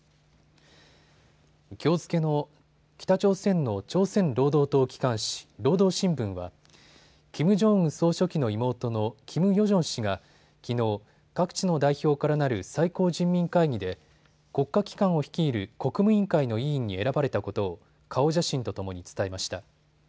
きょう付けの北朝鮮の朝鮮労働党機関紙、労働新聞はキム・ジョンウン総書記の妹のキム・ヨジョン氏がきのう、各地の代表からなる最高人民会議で国家機関を率いる国務委員会の委員に選ばれたことを顔写真とともに伝えました。